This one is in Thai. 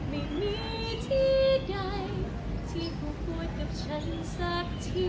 ไม่มีที่ใดที่เขาควรกับฉันสักที